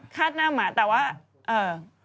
คาดหน้าหมาแต่ว่า